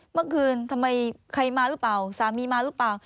เมื่อคืนทำไมใครมาหรือเปล่าสามีมาหรือเปล่า